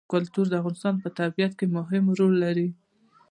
کلتور د افغانستان په طبیعت کې مهم رول لري.